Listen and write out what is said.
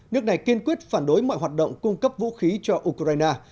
nước này kiên quyết phản đối mọi hoạt động cung cấp vũ khí cho ukraine